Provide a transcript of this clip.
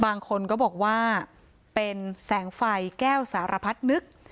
บางคนก็บอกว่าเป็นแสงไฟแก้วสารพัดนึก